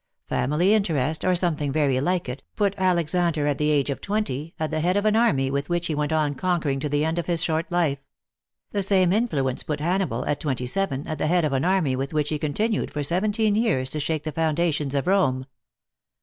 Family interest, or something very like it, put Alex ander, at the age of twenty, at the head of an army with which he went on conquering to the end of his short life. The same influence put Hannibal, at twenty seven, at the head of an army with which he continued for seventeen years to shake the foundations of Rome.